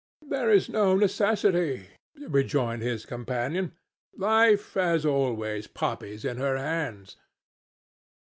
"There is no necessity," rejoined his companion. "Life has always poppies in her hands.